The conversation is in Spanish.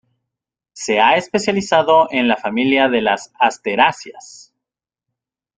Se ha especializado en la familia de las asteráceas.